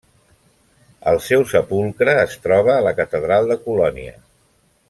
El seu sepulcre es troba a la catedral de Colònia.